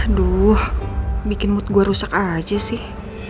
aduh bikin mood gue rusak aja sih